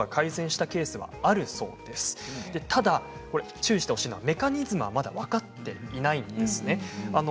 注意してほしいのはメカニズムはまだ分かっていないんですね。